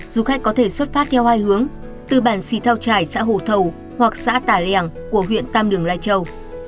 du khách có thể xuất phát theo hai hướng từ bản xì thao trải xã hồ thầu hoặc xã tà lèng của huyện tam đường lai châu